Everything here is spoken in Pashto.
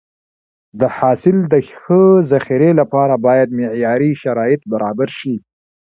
د حاصل د ښه ذخیرې لپاره باید معیاري شرایط برابر شي.